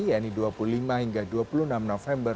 yaitu dua puluh lima hingga dua puluh enam november dua ribu dua puluh